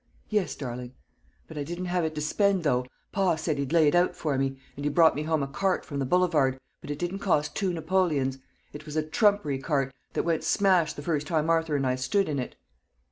"Yes, darling." "But I didn't have it to spend, though. Pa said he'd lay it out for me; and he brought me home a cart from the Boulevard; but it didn't cost two napoleons. It was a trumpery cart, that went smash the first time Arthur and I stood in it."